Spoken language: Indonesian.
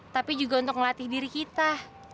tapi juga untuk ngelatih diri kita